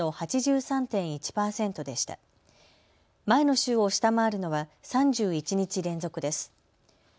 前の週を下回るのは３１日連続です。